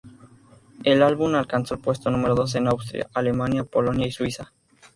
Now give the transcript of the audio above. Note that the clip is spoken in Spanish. El álbum alcanzó el puesto número dos en Austria, Alemania, Polonia y Suiza.